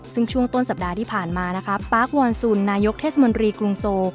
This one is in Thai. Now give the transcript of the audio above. ซึ่งช่วงต้นสัปดาห์ที่ผ่านมานะคะปาร์ควอนซูนนายกเทศมนตรีกรุงโซ